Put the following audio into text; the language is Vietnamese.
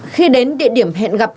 khi đến địa điểm hẹn gặp